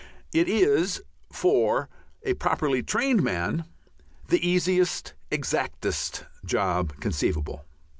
It is, for a properly trained man, the easiest, exactest job conceivable.